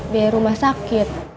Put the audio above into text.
biayai rumah sakit